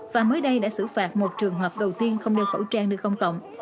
và mới đây đã xử phạt một trường hợp đầu tiên không đeo khẩu trang nơi công cộng